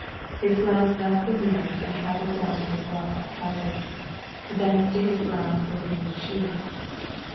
His glance left the mirror and travelled down to his well cut trousers, thence to his brown brogued shoes.